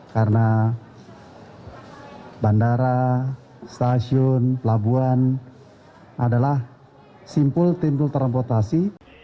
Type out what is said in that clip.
karena bandara stasiun pelabuhan adalah simpul timpul transportasi